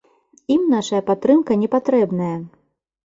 Ім нашая падтрымка не патрэбная.